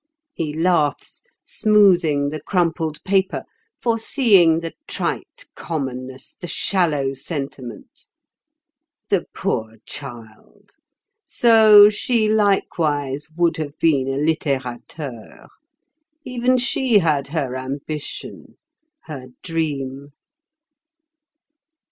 He laughs, smoothing the crumpled paper, foreseeing the trite commonness, the shallow sentiment. The poor child! So she likewise would have been a littérateure. Even she had her ambition, her dream.